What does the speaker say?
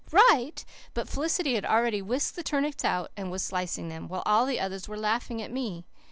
"Right!" but Felicity had already whisked the turnips out, and was slicing them, while all the others were laughing at me.